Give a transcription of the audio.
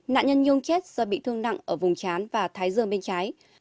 nạn nhân nhung chết do bị thương nặng ở vùng trán và thái dương bên trái